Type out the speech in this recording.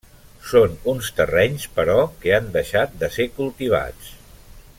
Són uns terrenys, però, que han deixat de ser cultivats.